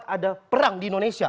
ada perang di indonesia